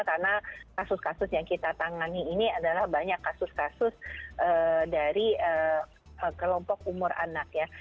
karena kasus kasus yang kita tangani ini adalah banyak kasus kasus dari kelompok umur anak ya